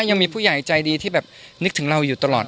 ยังมีผู้ใหญ่ใจดีที่แบบนึกถึงเราอยู่ตลอด